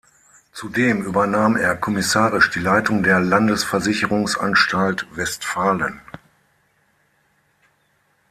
Zudem übernahm er kommissarisch die Leitung der Landesversicherungsanstalt Westfalen.